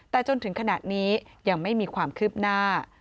แต่จนถึงขณะนี้ยังไม่มีความคืบหน้า